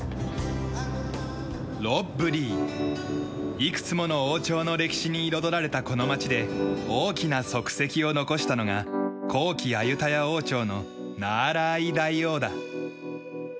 いくつもの王朝の歴史に彩られたこの町で大きな足跡を残したのが後期アユタヤ王朝のナーラーイ大王だ。